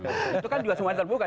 itu kan juga semua yang terbuka